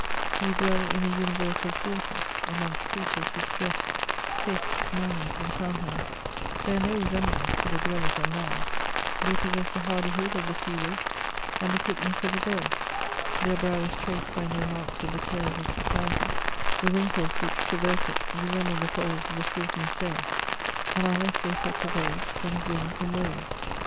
You dwell in a universe of waters, amongst creatures whose dress, tastes, manners, and countenance bear no resemblance to the dwellers on land ; they possess the hardihood of the sea wolf, and the quickness of a bird; their brow is traced by no marks of the cares of society ; the wrinkles which traverse it resemble the folds of the shortened sail, and are less the effect of age than of winds and waves.